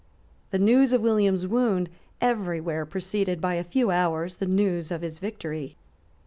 The news of William's wound every where preceded by a few hours the news of his victory.